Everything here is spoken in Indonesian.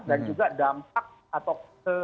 dan juga dampak atau